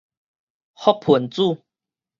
覆盆子